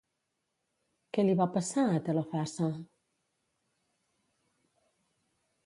Què li va passar a Telefassa?